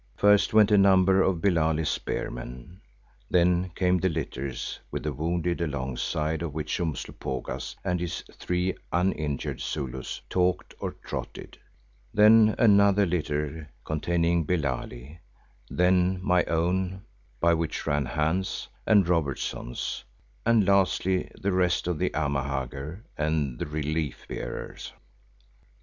First went a number of Billali's spearmen, then came the litters with the wounded alongside of which Umslopogaas and his three uninjured Zulus stalked or trotted, then another litter containing Billali, then my own by which ran Hans, and Robertson's, and lastly the rest of the Amahagger and the relief bearers.